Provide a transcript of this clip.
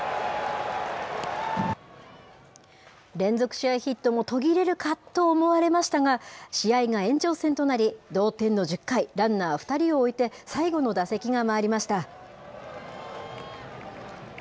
連続試合ヒットも途切れるかと思われましたが、試合が延長戦となり、同点の１０回、ランナー２人を置いて、最後の打席が回りました。